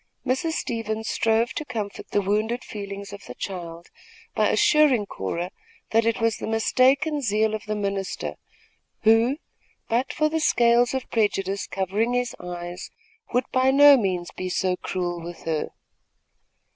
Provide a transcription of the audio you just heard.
Mrs. Stevens strove to comfort the wounded feelings of the child, by assuring Cora that it was the mistaken zeal of the minister, who, but for the scales of prejudice covering his eyes, would by no means be so cruel with her.